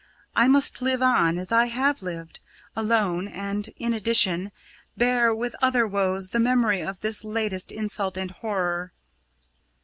I must live on as I have lived alone, and, in addition, bear with other woes the memory of this latest insult and horror.